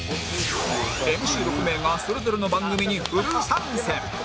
ＭＣ６ 名がそれぞれの番組にフル参戦！